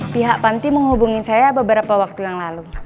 pihak panti menghubungi saya beberapa waktu yang lalu